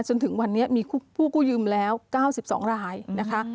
จนถึงวันนี้มีผู้กู้ยืมแล้ว๙๒รายนะคะ